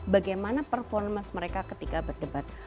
bagaimana performance mereka ketika berdebat